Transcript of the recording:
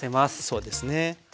そうですね。